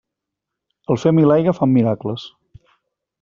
El fem i l'aigua fan miracles.